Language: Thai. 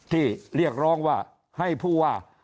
ที่เรียกร้องว่าให้ผู้ว่า